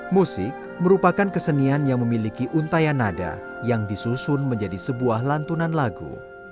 musik merupakan kesenian yang memiliki untayan nada yang disusun menjadi sebuah lantunan lagu